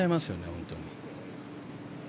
本当に。